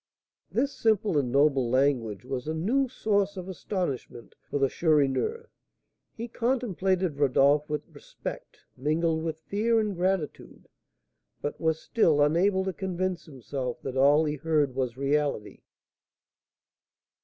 This simple and noble language was a new source of astonishment for the Chourineur; he contemplated Rodolph with respect, mingled with fear and gratitude, but was still unable to convince himself that all he heard was reality.